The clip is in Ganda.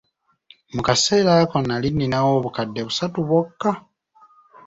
Mu kaseera ako nali ninawo obukadde busatu bwokka.